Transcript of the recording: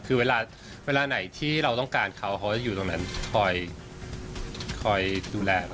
คือเวลาไหนที่เราต้องการเขาเขาจะอยู่ตรงนั้นคอยดูแล